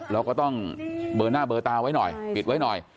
เราก็ต้องเบอร์หน้าเบอร์ตาไว้หน่อยปิดไว้หน่อย